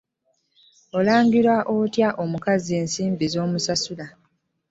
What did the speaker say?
Olangira otya omukozi ensimbi z'omusasula